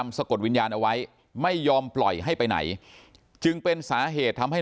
สะกดวิญญาณเอาไว้ไม่ยอมปล่อยให้ไปไหนจึงเป็นสาเหตุทำให้